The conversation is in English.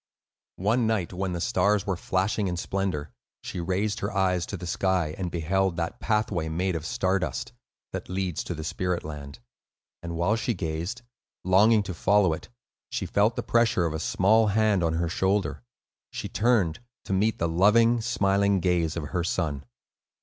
One night, when the stars were flashing in splendor, she raised her eyes to the sky, and beheld that pathway made of star dust, that leads to the spirit land. And while she gazed, longing to follow it, she felt the pressure of a small hand on her shoulder. She turned, to meet the loving, smiling gaze of her son.